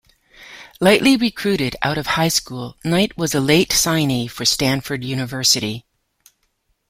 Lightly recruited out of high school, Knight was a late signee for Stanford University.